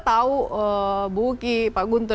tahu bu uki pak guntur